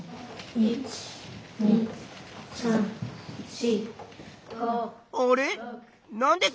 １２３４。